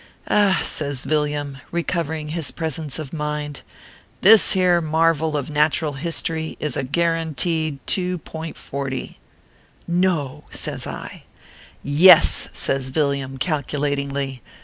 " Ah !" says Villiam, recovering his presence of mind, " this here marvel of natural history is a guaranteed 2.40." " No !" says I. " Yes," says Villiam, calculatingly.